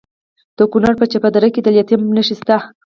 د کونړ په چپه دره کې د لیتیم نښې شته.